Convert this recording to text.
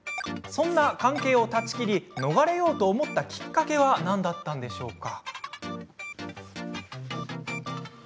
そんな関係を断ち切り逃れようと思ったきっかけは何だったんでしょうか？